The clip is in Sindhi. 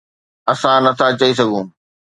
اسان نٿا چئي سگهون.